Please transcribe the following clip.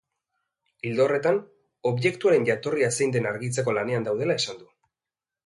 Ildo horretan, objektuaren jatorria zein den argitzeko lanean daudela esan du.